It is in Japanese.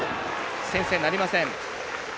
先制なりません。